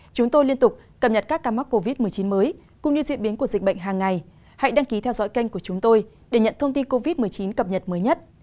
các bạn hãy đăng ký kênh của chúng tôi để nhận thông tin cập nhật mới nhất